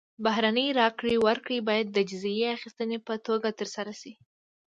بهرنۍ راکړه ورکړه باید د جزیې اخیستنې په توګه ترسره شي.